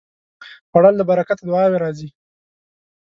خوړل له برکته دعاوې راځي